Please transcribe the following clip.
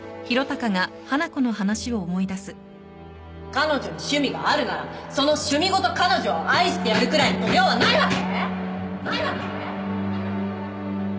彼女に趣味があるならその趣味ごと彼女を愛してやるくらいの度量はないわけ！？